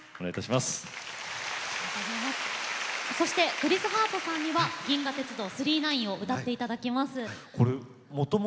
クリス・ハートさんには「銀河鉄道９９９」を歌っていただきます。